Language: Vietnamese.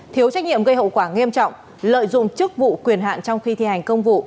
thiếu trách nhiệm gây hậu quả nghiêm trọng lợi dụng chức vụ quyền hạn trong khi thi hành công vụ